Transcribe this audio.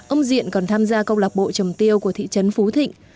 ông diện còn tham gia công lạc bộ trầm tiêu của thị trấn phú thịnh